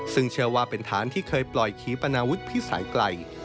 ซึ่งเชื่อว่าเป็นฐานที่เคยปล่อยขีปนาวุฒิพิสัยไกล